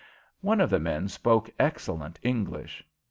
One of the men spoke excellent English.